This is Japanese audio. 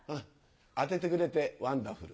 当ててくれてワンダフル。